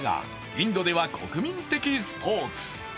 インドでは国民的スポーツ。